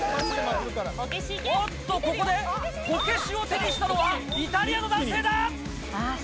おっと、ここでこけしを手にしたのはイタリアの男性だ。